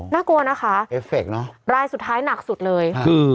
นะกลัวนะคะลายสุดท้ายหนักสุดเลยคือ